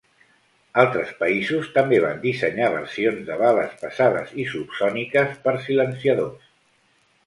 Altres països també van dissenyar versions de bales pesades i subsòniques per silenciadors.